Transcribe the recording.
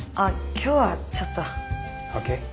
今日はちょっと。ＯＫ。